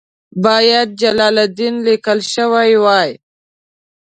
باید جلال الدین لیکل شوی وای.